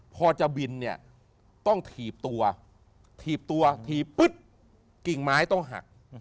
พอจะบินเนี่ยต้องถีบตัวถีบตัวถีบปุ๊บกิ่งไม้ต้องหัก